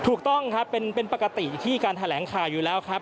ถูกต้องครับเป็นปกติที่การแถลงข่าวอยู่แล้วครับ